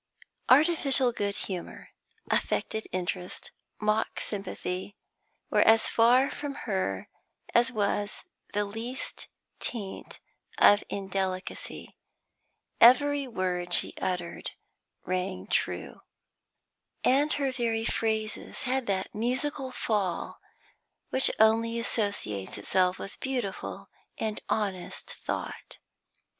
Artificial good humour, affected interest, mock sympathy, were as far from her as was the least taint of indelicacy; every word she uttered rang true, and her very phrases had that musical fall which only associates itself with beautiful and honest thought.